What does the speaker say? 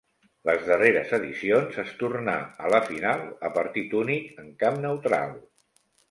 Les darreres edicions es tornà a la final a partit únic en camp neutral.